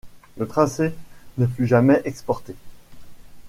Le Tracer ne fut jamais exporté.